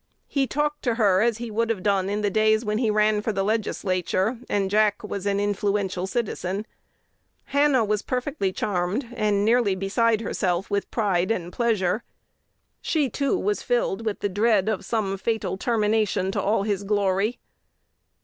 He talked to her as he would have done in the days when he ran for the Legislature, and Jack was an "influential citizen." Hannah was perfectly charmed, and nearly beside herself with pride and pleasure. She, too, was filled with the dread of some fatal termination to all his glory.